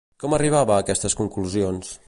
Com arribava a aquestes conclusions?